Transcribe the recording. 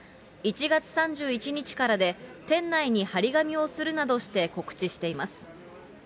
１月３１日からで店内に貼り紙をするなどして告知しています。